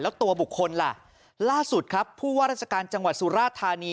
แล้วตัวบุคคลล่ะล่าสุดครับผู้ว่าราชการจังหวัดสุราธานี